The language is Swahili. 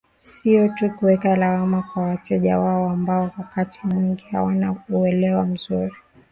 Sio tu kuweka lawama kwa wateja wao ambao wakati mwingi hawana uelewa mzuri